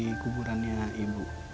di kuburannya ibu